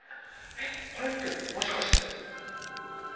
えっこれってもしかして。